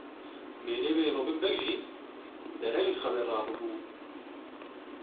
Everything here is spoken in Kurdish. Mêrê wê Robîn Beg jî dereng ji xewê rabûbû.